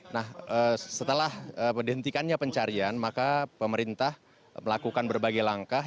nah setelah dihentikannya pencarian maka pemerintah melakukan berbagai langkah